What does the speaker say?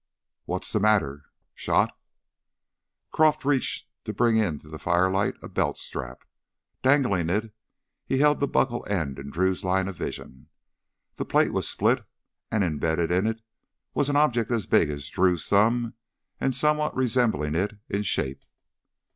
"What's the ... matter ? Shot?" Croff reached to bring into the firelight a belt strap. Dangling it, he held the buckle end in Drew's line of vision. The plate was split, and embedded in it was an object as big as Drew's thumb and somewhat resembling it in shape.